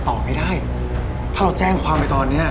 ตอบไม่ได้ถ้าเราแจ้งความไปตอนเนี้ย